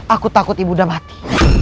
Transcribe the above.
aku takut ibu udah mati